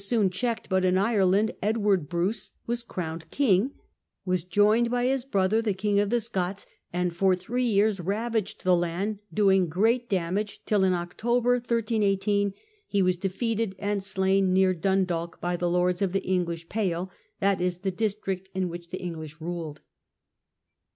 lOI soon checked; but in Ireland Edward Bruce was crowned king, was joined by his brother the King of the Scots, and for three years ravaged the land, doing great damage, till in October 1318 he was defeated and slain near Dundalk by the lords of the English pale (/>. the district in which the English ruled).